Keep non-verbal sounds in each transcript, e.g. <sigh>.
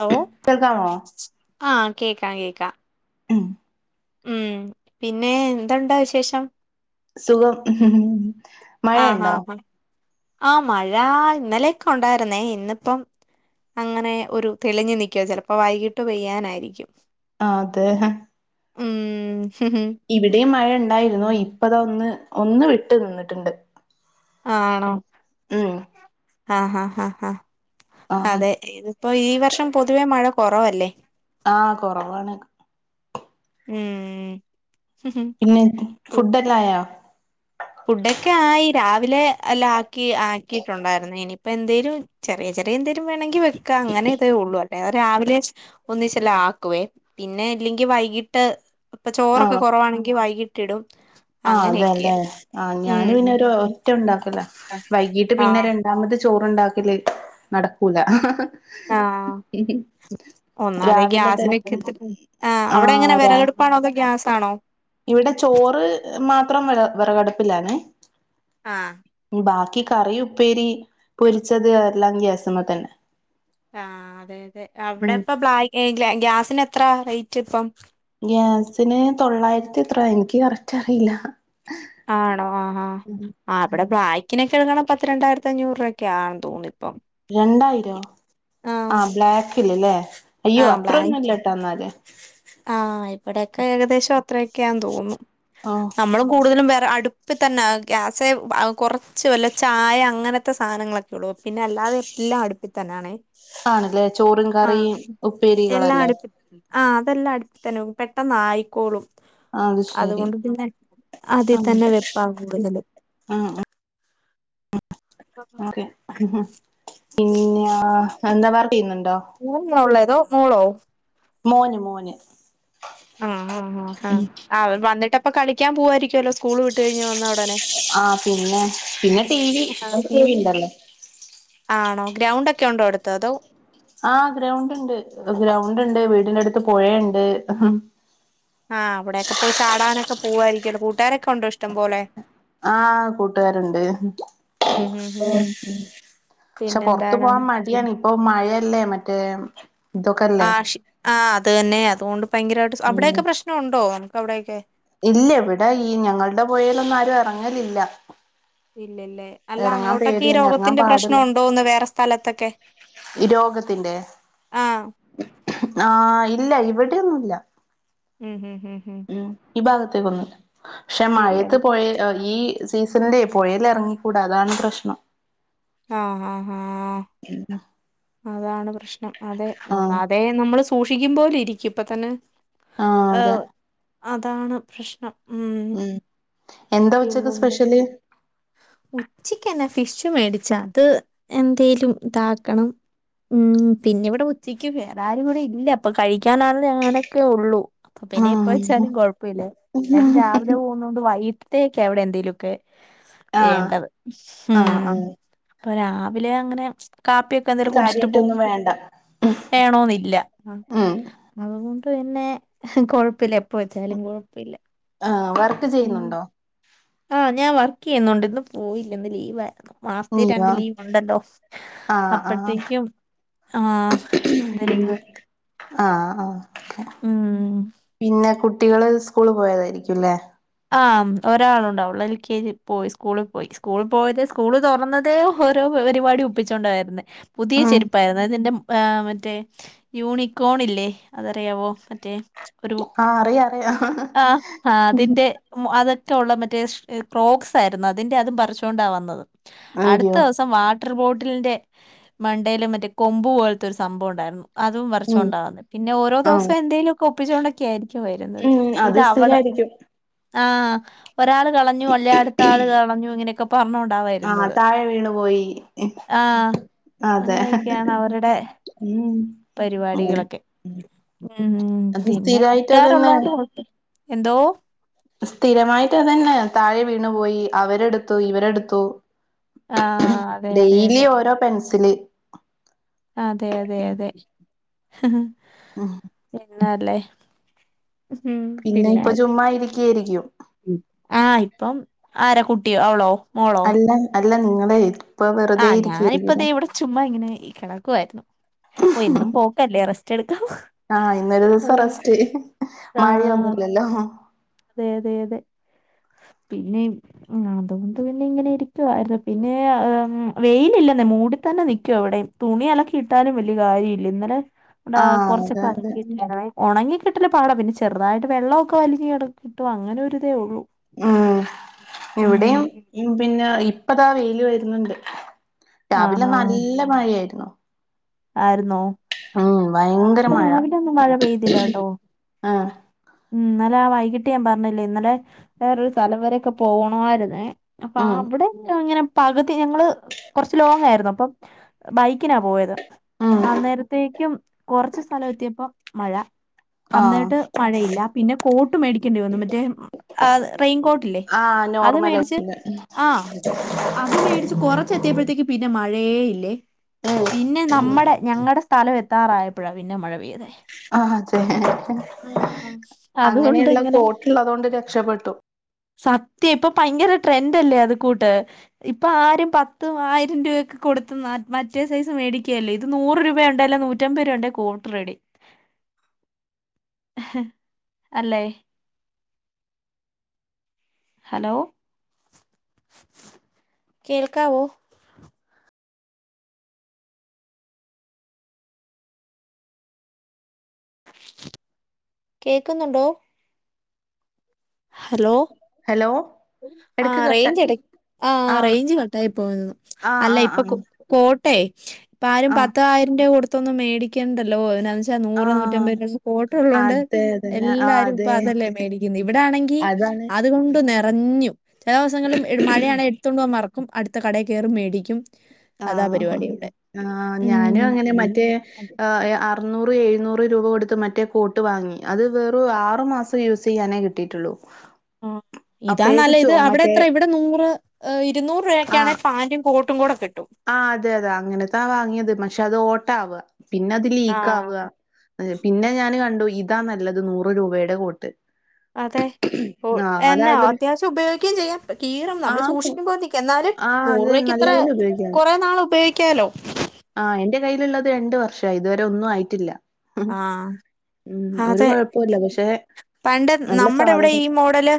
Hello കേൾക്കാമോ ആ കേക്കാം കേക്കാം <inaudible> ഉം പിന്നെ എന്തുണ്ട് വിശേഷം. സുഖം ആ ആ മഴയുണ്ടോ ഹാ ആ മഴ ഇന്നലെയൊക്കെ ഉണ്ടായിരുന്നേ ഇന്നിപ്പം അങ്ങനെ ഒരു തെളിഞ്ഞു നിക്കുവ ചെലപ്പോ വൈകിട്ട് പെയ്യാനായിരിക്കും. ആഹ് അതെ ഉം ഹും ഹും ഇവിടെയും മഴ ഉണ്ടായിരുന്നു ഇപ്പത ഒന്ന് ഒന്ന് വിട്ട് നിന്നിട്ടുണ്ട്. ആണോ ഉം ആഹ് ഹാ ആഹാ ആ അതെ ഇതിപ്പോ ഈ വർഷം പൊതുവേ മഴ കുറവല്ലേ? ആഹ കുറവാണ് ഉം ഹും, ഹും. പിന്നെ ഫുഡ്എല്ലായോ? ഫുഡൊക്കെ ആയി രാവിലെ എല്ലാം ആക്കി ആക്കിയിട്ടുണ്ടായിരുന്നു. ഇനിയിപ്പ എന്തേലും ചെറിയ ചെറിയന്തേലും വേണെങ്കിൽ വെക്ക അങ്ങനെതേ ഉള്ളൂ. അ രാവിലെ ഒന്നിചെല്ലോ ആക്കുവേ. പിന്നെ ഇല്ലെങ്കി വൈകിട്ട്. പ്പൊ ആ ചോറൊക്കെ കുറവാണെങ്കി വൈകിട്ടിടും അങ്ങനെയൊക്കെയാ ആഹ് ഞാന് പിന്നെ ഉം ഒരു ഒറ്റ ഉണ്ടാക്കല വൈകീട്ട് പിന്നെ ആഹ് ര ണ്ടാമത് ചോറ്ണ്ടാക്കല് നടക്കൂല ആഹ് ഒന്നാത് രാവിലെ ഗ്യാസിന് തന്നെ വെക്ക് ട്ട് ആഹ് ആ അവിടെ എങ്ങനെ രാ വിറകെ ടുപ്പാണോ അതോ ഗ്യാസ് ആണോ ഇവിടെ ചോറ് മാത്രം വി വിറകടുപ്പിലാണ് ആഹ് ബാക്കി കറി ഉപ്പേരി പൊരിച്ചത് എല്ലാം ഗ്യാസമ്മ തന്നെ ആഹ് അതെ അതെ അവിടെ ഉം ഇപ്പ ബ്ല ഗ്യാസിന് എത്ര റേറ്റ് ഇപ്പം ഗ്യാസിന് തൊള്ളായിരത്തി എത്രോ എനിക്ക് കറക്റ്റ്റിയില്ല ആണോ ആഹ് ആഹ് ആഹ് അവിടെ ബ്ലായ്ക്കിനൊക്കെ എഴക്കണം പത്തി രണ്ടായിരത്തി അഞ്ഞൂറ് രൂപൊക്കയാ ആണ് തോന്നണിപ്പം രണ്ടായിരോ ആഹ് ബ്ലാക്കില്ലെ അയ്യോ ആഹ് അത്ര ബ്ലാക്ക് ഒന്നുല്ലാട്ടാന്നാല് ആഹ് ഇവിടെയൊക്കെ ഏകദേശം അത്രയൊക്കെയാന്ന് തോന്നുന്നു ഓ നമ്മള് കൂടുതലും വേറ അടു പ്പ്ത്തന്നെ ഗ്യാസ് കുറച്ച് വല്ല ചായ അങ്ങനത്തെ സാനങ്ങളൊക്കെ ഇടു പിന്നെ അല്ലാതെ എല്ലാം അടുപ്പ് ഇത്തന്നാണേ ആണല്ലേ ചോറും കറിയും എല്ലാം ഉപ്പേരികളല്ലേ അടുപ്പി ആഹ് അതെല്ലാം അടുപ് ത്തന്നെ പെട്ടന്നായിക്കോളും അത് ശരി അതുകൊണ്ട് പിന്നെ അതി ആ തന്നെ വെപ്പാ കൂടുതല് ആ അ ഓകെ ഉം പിന്നാ എന്താ വർക്ക്യ്യുന്നുണ്ടോ മോൻ ഉള്ളതോ മോളോ മോന് മോന് ഉം ഉം ആഹ് ആഹ് വന്നിട്ടപ്പ കളിക്കാൻ പുവായിരിക്കുവല്ലോ സ്കൂൾ വിട്ട കഴിഞ്ഞ് വന്ന ഉടനെ ആഹ് പിന്നെ പിന്നെ ടി വി ടി വി ആഹ് ഇണ്ടല്ലെ ആണോ ഗ്രൗണ്ട് ഒക്കെ ഉണ്ടോ അടുത്ത് അതോ ആഹ് ഗ്രൗണ്ട് ഉണ്ട് ഗ്രൗണ്ട് ഉണ്ട് വീടിന്റെ അടുത്ത് പുഴയുണ്ട് ആഹ് അവിടെക്കെ പോയി ചാടാനൊക്കെ പുവായിരിക്കല്ലോ കൂട്ടുകാരൊക്കെണ്ടോ ഇഷ്ടം പോലെ ആഹ് കൂട്ടുകാരുണ്ട് ഉം ക്ഷെ പൊർത്ത് പിന്നെന്താണ് പോവാൻ മടിയാണ് ഇപ്പൊ മഴയല്ലേ മറ്റേ ഇതൊക്കെല്ലേ ആഷ് ആഹ് അത് തന്നെ അതുകൊണ്ട് ഭയങ്കരായിട്ട് അവിടെക്കെ പ്രശ്നണ്ടോ എൻക്ക് അവിടെക്കെ ഇല്ല ഇവിടെ ഈ ഞങ്ങളുടെ പോയലൊന്നും ആരും ഇറങ്ങലില്ല ഇല്ലല്ലേ അല്ല ഇറങ്ങാൻ അങ്ങോട്ടക്കെ ഈ പേടിയാണ് ഇറങ്ങാൻ രോഗത്തിന്റെ പ്രശ്നം പാടില്ല ഉണ്ടോന്ന് വേറെ സ്ഥലത്തെക്കെ രോഗത്തിന്റെ ആഹ് ഇല്ല ഇവിടെന്നുല്ല ഉം ഉം ഉം ഉം ഉം ഈ ഭാഗത്തേക്കൊന്നുല്ല ക്ഷെ മഴയത്ത് ഇല്ലല്ലേ പോയ ഈ സീസണിലേ പുഴല് ഇറങ്ങിക്കൂടാ അതാണ് പ്രശ്നം അ ആഹ് ആഹ് എന്താ അതാണ് പ്രശ്നം. അതെ ആഹ് ഒന്നാതെ നമ്മള് സൂക്ഷിക്കുമ്പോല ഇരിക്കും. ഇപ്പൊ തന്നെ... ആഹ് എ അതെ അതാണ് പ്രശ്നം ഉം. എന്താ ഉച്ചക്ക് സ്പെഷ്യല്? ഉച്ചക്ക്ന്നെ ഫിഷ് മേടിച്ച്, അത് എന്തെലും താക്കണം. ഉം, പിന്നെ ഇവിടെ ഉച്ചയ്ക്ക് വേറെ ആരും ഇവിടെ ഇല്ല. അപ്പൊ കഴിക്കാനാണഞാനെക്കെ ഉള്ളൂ. അപ്പൊ പിന്നെ എപ്പ ആഹ് വെച്ചാലും കൊഴപ്പല്ല. എനട്ടൻ രാവിലെ പോ... ന്നോണ്ട് വൈകിട്ടത്തേക്കെ അവിടെ എന്തെലും ഒക്കെ ആഹ് വേണ്ടത്. ആഹ് ഉം ആഹ് അപ്പൊ രാവിലെ അങ്ങനെ. കാപ്പിയൊക് എന്തേലും കുടിച്ചിട്ട് പോവും. കാര്യായിട്ടൊന്നും വേണ്ട വേണോന്നില്ല. ഉം അതുകൊണ്ട് പിന്നെ കൊഴപ്പല്ല, എപ്പ വെച്ചാലും കൊഴപ്പല്ല. ആഹ്, വർക്ക് ചെയ്യുന്നുണ്ടോ? ആഹ്, ഞാൻ വർക്ക് ചെയ്യുന്നുണ്ട്. ഇന്ന് പോയില്ല, ഇന്ന് ലീവായിരുന്നു. മാസത്തെ രണ്ട് നീയോ ലീവ് ഉണ്ടല്ലോ, ആഹ് ആഹ് അപ്പഴത്തേക്കും ആഹ, ഇന്ന് ലീവ് എടുത്തു. ആഹ് ആഹ് ഉം പിന്നെ, കുട്ടികള് സ്കൂള് പോയതായിരിക്കും ല്ലേ? ആഹ്, ഒരാളുണ്ട്. ഓള് എൽ കെ ജ് പോയി, സ്കൂളിൽ പോയി, സ്കൂളിൽ പോയത് സ്കൂള് തുറന്നതേ. ഓരോ പരിപാടി ഒപ്പിച്ചോണ്ട വരുന്നേ. പുതിയ ഉം ചെരുപ്പായിരുന്നു, അതിൻ്റെ മറ്റേ യൂണിക്കോണല്ലേ അതറിയാവോ? മറ്റേ ഒരു, ആഹ് അറിയാം അറിയാം അ ആ അതിന്റെ അകത്തെ ഉള്ള മറ്റേ ക്രോക്സ് ആയിരുന്നു. അതിന്റെ അത് പറിച്ചുകൊണ്ടാ വന്നത്. അടുത്ത അയ്യോ ദിവസം വാട് വാട്ടർ ബോട്ടിലിന്റെ മണ്ടയില് മറ്റേ കൊമ്പു പോലത്തെ ഒരു സംഭവം ഉണ്ടായിരുന്നു. അതും ഉം പറച്ചോണ്ടാവന്നത്. പിന്നെ ഓരോ ആഹ് ദിവസം എന്തെങ്കലും. കൊ ഒപ്പിച്ചൊണ്ടൊക്കെ ആയിരിക്കും വരുന്നത്. ഉം അത് ഇത് അവള് സ്ഥിരായിരിക്കും ആഹ, ഒരാൾ കളഞ്ഞു അല്ല അടുത്ത ആള് കളഞ്ഞു ഇങ്ങനെയൊക്കെ. അപ്പ അമ്മ അവ്ടാ ആഹ് വരുന്നത്. താഴെ വീണു പോയി ആഹ. അങ്ങനെയൊക്കെയാണ് അവരുടെ. ഉ ഉ പരിപാടികളൊക്കെ ഉം. അത് പിന്നെ സ്ഥിരായിട്ട് അതന്നെ കുട്ടുകാരുള്ളോണ്ട് <unintelligible> എന്തോ? സ്ഥിരമായിട്ട് അതന്നെ, താഴെ വീണു പോയി അവരെടുത്തു ഇവരെടുത്തു. ആഹ് അതെ അതെ ഡെയിലി അതെ ഓരോ പെൻസില്. അതെ, അതെ, അതെ ഉം. പിന്നല്ലേ. പിന്നെ ഇപ്പ ചുമ്മാ ഇരിക്കായിരിക്കും. ആഹ, ഇപ്പം ആരാ കുട്ടി അവളോ? മോളോ അല്ല അല്ല നിങ്ങള് ഇപ്പ വെറുതെ ഇരിക്കരിക്കുലെ? ചുമ്മ ഇങ്ങനെ കെടക്കുവായിരുന്നു. ഓ എന്നും പോക്കല്ലേ റസ്റ്റ് എടുക്കാ. ആഹ, ഇന്നൊരു ദിവസം റസ്റ്റ് ആഹ് മഴയൊന്നുല്ലല്ലോ. അതെ, അതെ, അതെ പിന്നെ. ഉം, അതുകൊണ്ട് പിന്നെ ഇങ്ങനെ ഇരിക്കുവായിരുന്നു. പിന്നെ വെയിലില്ലന്നെ മൂടി തന്നെ നിൽക്കവിടെയും. തുണി അലക്കിയിട്ടാലും വലിയ കാര്യമില്ല. ഇന്നലെ ആഹ് അതെ കുറച്ചൊക്ക അതെ അലക്കിയിട്ടേ. ഉണങ്ങി കിട്ടല് പാട. പിന്നെ ചെറുതായിട്ട് വെള്ളമൊക്കെ വലിഞ്കിട്ടും, അങ്ങനെ ഒരുരതേ ഉള്ളൂ. ഉം, ഉം ഇവിടെയും പിന്നെ ഇപ്പതാ വെയില് വരുന്നുണ്ട്. രാവിലെ ആഹ് ആഹ് നല്ല മഴയായിരുന്നു. ആയിരുന്നോ? ഉം ആ ഭയങ്കര ഇവിടെ മഴ രാവിലെന്നും മഴ പെയ്തില്ല ട്ടോ? ആഹ് ഉം, ഇന്നലെ ആ വൈകിട്ട് ഞാൻ പറഞ്ഞില്ലാ, ഇന്നലെ വേറൊരു സ്ഥലം വരൊക്കെ പോവ ണോയിരുന്നേ. അപ്പ ഉം അവിടെക്കെ ങ്ങനെ പകുതി ഞങ്ങള് കുറച്ച് ലോങ് ആയിരുന്നു അപ്പം ബൈക്കിനാ പോയത്. ഉം അ നേരത്തേക്കും കൊറച്ച് സ്ഥലം എത്തിയപ്പ മഴ ആഹ് അന്നിട്ട് മഴയില്ല. പിന്നെ കോട്ട് മേടിക്കേണ്ടി വന്നു മറ്റേ റെയിൻ കോട്ട്ല്ലേ ആഹ് അത് നോർമലായി മേടിച്ച് ആ അത് മേടിച്ച് കൊറച്ച് ത്തിയപ്പോഴത്തേക്ക് പിന്നെ മഴയേ ഇല്ലേ ഉം പിന്നെ നമ്മടെ ഞങ്ങടെ സ്ഥലം എത്താറായപ്പോഴാ പിന്നെ മഴ പെയ്തെ ആഹ് അതെ ഉം അതുകൊണ്ട് അങ്ങനെയുള്ള ഇങ്ങനെ കോട്ടുള്ളതൊണ്ട് രക്ഷപ്പെട്ടു സത്യ ഇപ്പൊ ഭയങ്കര ട്രെൻഡല്ലേ അത് കൂട്ട് ഇപ്പൊ ആരും പത്തും ആയിരം രൂപക്കെ കൊടുത്ത് മറ്റേ സൈസ് മേടിക്ക ല്ലേ ഇത് നൂറ് രൂപണ്ട് അല്ല നൂറ്റമ്പരൂപടെ കോട്ട് റെഡി അല്ലേ ഹലോ കേൾക്കാവോ കേക്കുന്നുണ്ടോ ഹലോ ഹലോ എടക്ക് ആ് കട്ട് റേയ്ഞ്ച്ട് ആ ആഹ് റേഞ്ച് കട്ടയി പോവുന്നു ആഹ് അല്ല ആഹ് ഇപ്പൊ ആഹ് കോട്ടെ ഇപ്പ ആരും ആഹ് പത്തായിരം രൂപ കൊടുത്തൊന്നും മേടിക്കണ്ടല്ലോ അ പക്ഷ നൂറ് ആഹ് നൂറ്റമ്പതിനൊന്ന് കോട്ട് ഉള്ളതോണ്ട് അതെ അതെ ആഹ് എല്ലാരും ഇപ്പൊ അതെ അതല്ലേ മേടിക്കുന്ന് താണെങ്കി അതാണ് ആഹ് അതുകൊണ്ട് നിറഞ്ഞു ചില ദിവസങ്ങളും മഴയാണങ്ക എടുത്തൊണ്ട് പോവാൻ മറക്കും അടുത്ത കടയിൽ കയറി മേടിക്കും അതാ ആഹ് പരിപാടി ഇവിടെ ആഹ് ഞാനു അങ്ങനെ ഉം മറ്റേ അറുന്നൂറ് എഴുന്നൂറ് രൂപ കൊടുത്ത് മറ്റേ കോട്ട് വാങ്ങി അത് വെറു ആറ് മാസം യൂസ് ചെയ്യാനേ കിട്ടിയിട്ടുള്ളൂ <inaudible> ആഹ് ഇതാ അപ്പഴേക്ക് നല്ല ചോ ഇത് അവിടെ മറ്റേ എത്ര ഇവിടെ നൂറ് ഇരുന്നൂറ് രൂപൊക്കെയാണ് ആഹ് പാന്റും കോട്ടും ഒട്ടും കൂട കിട്ടും ആഹ് അതെ അതെ അങ്ങനെത്താ വാങ്ങിയത് പക്ഷെ അത് ഓട്ട ആവാ പിന്നെ അത് ആ ലീക്ക് ആവാ പിന്നെ ഞാൻ കണ്ടു ഇതാ നല്ലത് നൂറ് രൂപയുടെ കോട്ട് അതെ ഓ ആഹ് എന്നാ അതായാലും അത്യാവശ്യം ഉപയോഗിക്കുകയും ചെയ്യും കീറം നമ്മള് ആഹ് സൂക്ഷിക്കുമ്പോ നക്കും എന്നാലും ആഹ് നൂറ് അത് രൂപക്ക് നല്ല ത്ര പോലെ ഉപയോഗിക്കാം കുറേ നാൾ ഉപയോഗിക്കാലോ ആഹ് എന്റെ കയ്യിലുള്ളത് രണ്ട് വർഷായി ഇതുവരെ ഒന്നും ആയിട്ടില്ല ആഹ് ഉം ഒരു അതെ കൊഴപ്പൂല്ല പക്ഷെ പണ്ട് നല്ല നമ്മടെ ഇവിടെ സാധനം ഈ മോഡല്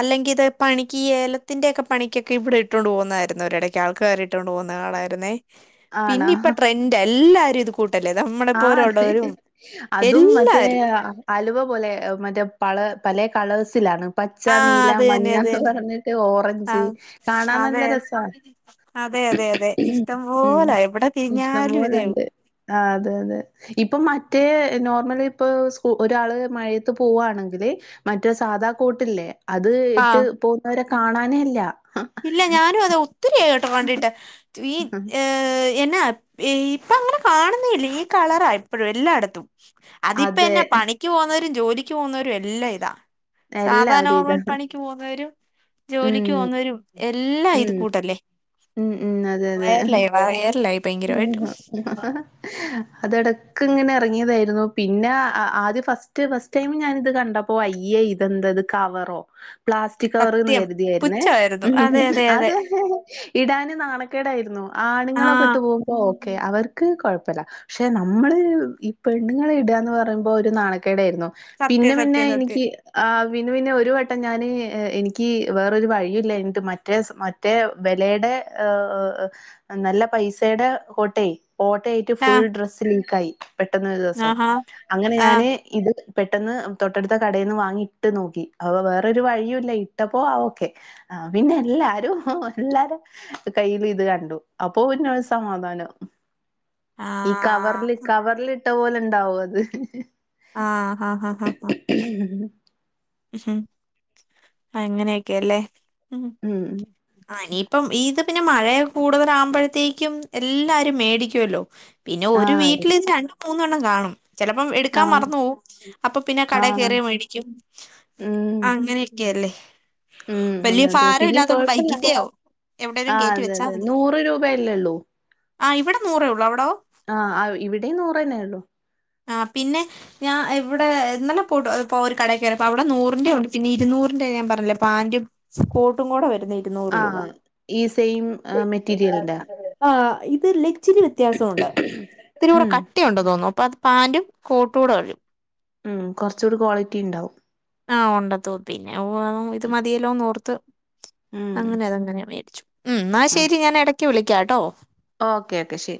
അല്ലെങ്ക ഇത് പണി ഈ ഏലത്തിന്റെ ക്കെ പണിക്കക്കെ ഇവിടെ ഇട്ടൊണ്ട് പോകുന്നതായിരുന്നു ഒരിടക്ക് ആൾക്കാരി ഇട്ടോണ്ട് പോകുന്ന കാണായിരുന്നേ ആണാ പിന്നെ ഇപ്പ ട്രെൻഡ് എല്ലാരും ഇത് കൂട്ടല്ലേ നമ്മടെ ആഹ് പോലെ ഒള്ള അതെ അതും മറ്റേ അലുവ പോലെ മറ്റേ പള പലെ കളേഴ്സിലാണ് പച്ച ആഹ് നീല അത് തന്നെ അത് മഞ്ഞന്ന് തന്നെ പറഞ്ഞിട്ട് ഓറഞ്ച് ആഹ് കാണാൻ നല്ല അതെ രസാ അതെ അതെ അതെ ഇഷ്ടം ഉം പോലെ എവിടെ ഇഷ്ടം തിരിഞ്ഞാലും ഇതേവും പോലെണ്ട് ആഹ് അതെ അതെ ഇപ്പൊ മറ്റേ നോർമലി ഇപ്പൊ സ്കൂ ഒരാള് മഴയത്ത് പോവാണെങ്കില് മറ്റ സാധാ കോട്ടില്ലേ അത് ഇട്ട് ആഹ് പോകുന്നവരെ കാണാനെ ഇല്ല ഇല്ല ഞാനും അത് ഒത്തിരിയായി കേട്ടോ കണ്ടിട്ട് ഈ ഏ എന്നെ ഏ ഇപ്പ അങ്ങനെ കാണുന്നില്ല ഈ കളറാ ഇപ്പോഴും എല്ലായിടത്തും അതിപ്പ അതെ എന്ന പണി ക്ക് പോകുന്നവരും ജോലിക്ക് പോകുന്നവരും എല്ലാ ഇതാ സാധാ എല്ലാവരും ഇതാ നോർമ്മൽ പണിക്ക് പോകുന്നവരും ഉം ജോലിക്ക് പോവുന്നവരും എല്ല ഇത് ഉം കൂട്ടല്ലേ ഉം വയറലായി വയറലായി പോയ്‌ ഉം <inaudible> അതടക്ക് ങ്ങനെ ഇറങ്ങിയതായിരുന്നു പിന്നെ ആദ്യ ഫസ്റ്റ് ഫസ്റ്റ് സെയിം ഞാനിത് കണ്ടപ്പോ അയ്യേ ഇതെന്താത് കവറോ പ്ലാസ് സ്റ്റിക് സത്യം കവറെന്നുകരുതിയായിരുന്നേ പുച്ഛമായിരുന്നു അതെ അതെ അതെ അത് ഇടാന് നാണക്കേടായിരുന്നു ആ ആണുങ്ങളൊക്കെ ഇട്ടു പോകുമ്പോ ഓക്കെ അവ അവർക്ക് കൊഴപ്പില്ല പക്ഷെ നമ്മള് ഈ പെണ്ണുങ്ങൾ ഇടുകാന്നു പറയുമ്പോൾ ഒരു നാണക്കേടായിരുന്നു പിന്നെ സത്യം പിന്നെ സത്യം എനിക്ക് സത്യം ആ പിന്നെ പിന്നെ ഒരുവട്ടം ഞാന് എനിക്ക് വേറൊരു വഴിയും ഇല്ലാഞ്ഞിട്ട് മറ്റേ സ് മ റ്റെ വെലേടെ ആ നല്ല പൈസ സെടേ കോട്ടേ ഓട്ടയായിട്ട് ആ ഫുൾഡ്രസ്സ് ലീക്കായി പെട്ടെന്ന് ഒരു ദിവസം ആഹാ അങ്ങനെ ആ ഞാന് ഇത് പെട്ടെന്ന് തൊട്ടടുത്ത കടേന്ന് വാങ്ങി ഇട്ടുനോക്കി അപ്പൊ വേറൊരു വഴിയും ഇല്ല ഇട്ടപ്പോ ആ ഓക്കെ ആ പിന്നെ എല്ലാരും എല്ലാരുടേം കയ്യിലും ഇതുകണ്ടു അപ്പൊ പിന്നെ സമാധാനം ആ ഈ കവറില് കവറിലിട്ട പോലെ ഉണ്ടാവും അത് ആ ഹാ ഹാ ഹാ ഹ <inaudible> ഉഹും അങ്ങനെയൊക്കെയല്ലേ ഉം ഉം ആ ഇനിയിപ്പം ഈത് പിന്നെ മഴയൊക്കെ കൂടുതലാകുമ്പഴത്തേക്കും എല്ലാരും മേടിക്കുവല്ലോ പിന്നെ ഒരു ആഹ് വീട്ടിലിത് രണ്ടും മൂന്നൂം എണ്ണം കാണും ചെലപ്പം എടുക്കാൻ ആഹ് മറന്നുപോവും അപ്പൊ പിന്നെ ആഹ് കടേക്കേറിയങ്ങ് മേടിക്കും ഉം അങ്ങനെ യൊക്കെയല്ലേ ഉം വലൃ അതെ അതെ പിന്നെ ഭാരമില്ലാത്തോണ്ട് കൊഴപ്പല്ല ബൈക്കിൻ്റെയോ ആ അതെ അതെ നൂറ് രൂപയല്ലേയൊള്ളൂ ആ ഇവിടെ നൂറേയൊള്ളൂ അവിടോ ആ ഇവിടേം നൂറന്നേയൊള്ളൂ ആ പിന്നെ ഞാൻ ഇവിടെ ഇന്നല്ലെ പോയിട്ടു പോ ഒരു കടക്കേറിയപ്പൊ അവിടെ നൂറിന്റെ ഒണ്ട് പിന്നെ ഇരുന്നൂറിന്റെ ഞാൻ പറഞ്ഞില്ലേ പാൻ്റും കോട്ടുംകൂടെ വരുന്നെ ഇരുന്നൂറുരൂപ ആഹ് ഈ സെയിം മെറ്റീരിയലിന്റെ ആ ഇതല്ല ഇച്ചിരി വ്യത്യാസൊണ്ട് ഇത്തിരൂടെ ഉം കട്ടിയൊണ്ടെന്നു തോന്നുന്നു അപ്പൊ അത് പാൻറും കോട്ടൂടെ വരും ഉം കൊറച്ചൊരു ക്വാളിറ്റി ഇണ്ടാവും ആ ഒണ്ടതൊ പിന്നെ ഓ ഇത് മതിയല്ലോന്ന് ഓർത്ത് ഉം അങ്ങനെ അതെങ്ങനെ മേടിച്ചു ഉം ന്നാ ശെരി ഞാൻ എടക്കുവിളിക്കാട്ടോ ഓക്കെ ഓക്കെ ശെരി